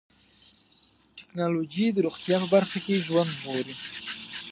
ټکنالوجي د روغتیا په برخه کې ژوند ژغوري.